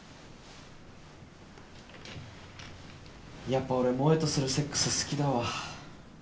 やっぱ俺萌とするセックス好きだわ。